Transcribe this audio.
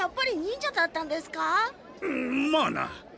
まあな。